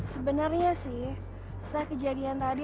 sebenarnya sih setelah kejadian tadi